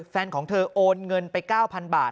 แฟนของเธอโอนเงินไป๙๐๐บาท